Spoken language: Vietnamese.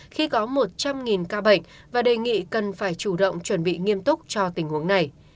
khi có một trăm linh ca bệnh và đề nghị cần phải chủ động chuẩn bị nghiêm túc cho tình huống này